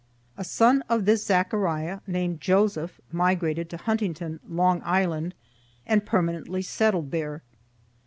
A son of this Zechariah, named Joseph, migrated to Huntington, Long Island, and permanently settled there.